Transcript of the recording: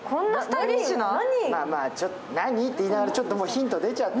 何？って言いながらちょっとヒント出ちゃった。